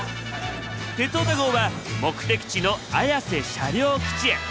「鉄オタ号」は目的地の綾瀬車両基地へ。